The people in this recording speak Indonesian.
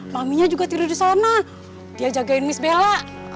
maminya juga tidur di sana dia jagain miss bella